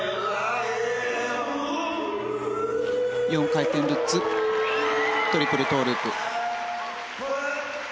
４回転ルッツトリプルトウループ。